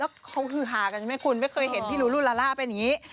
แล้วเขาคือฮากันใช่ไหมคุณไม่เคยเห็นพี่ลูลูลาล่าเป็นอย่างนี้